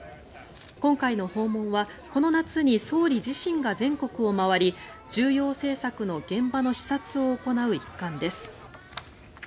今回の訪問はこの夏に総理自身が全国を回り重要政策の現場の視察を行う一環です。